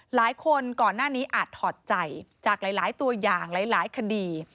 ก่อนหน้านี้อาจถอดใจจากหลายตัวอย่างหลายคดี